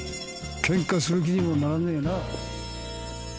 ケンカする気にもならねえな。